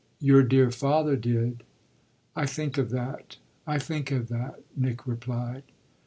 "Your dear father did." "I think of that I think of that," Nick replied.